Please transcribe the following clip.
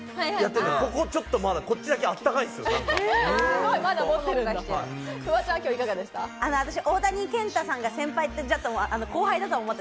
ここちょっとまだ、こっちだけあったかいんですよ、何か。